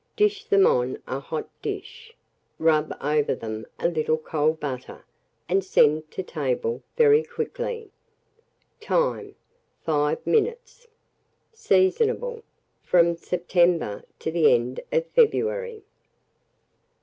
Dish them on a hot dish, rub over them a little cold butter, and send to table very quickly. Time. 5 minutes. Seasonable from September to the end of February.